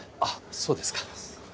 あっそうですか。